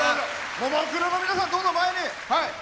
ももクロの皆さん、どうぞ前に。